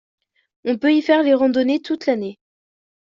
On peut y faire des randonnées toute l'année.